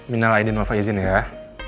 minalahin dan wafah izin ya